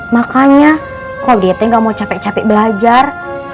makanya kalau diate nggak mau capek capek belajar